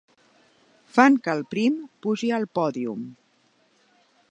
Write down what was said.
Fan que el prim pugi al pòdium.